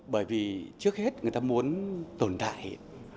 bởi vì trước hết người ta muốn tồn tại